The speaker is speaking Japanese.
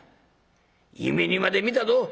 夢にまで見たど。